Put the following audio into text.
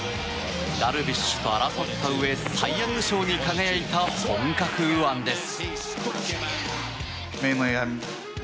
ダルビッシュと争ったうえサイ・ヤング賞に輝いた本格右腕です。